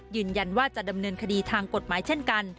ยืนยันว่าจะดำเนินคดีทางกฎหมายเช่นกัน